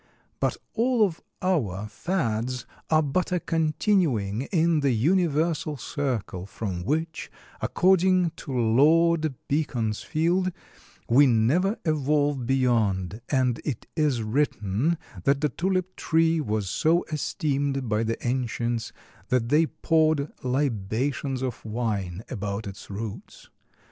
But all of our fads are but a continuing in the universal circle from which, according to Lord Beaconsfield, we never evolve beyond, and it is written that the tulip tree was so esteemed by the ancients that they poured libations of wine about its roots.